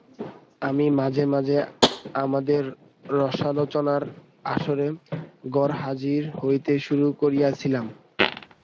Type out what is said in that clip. আমি মাঝে মাঝে আমাদের রসালোচনার আসরে গরহাজির হইতে শুরু করিয়াছিলাম।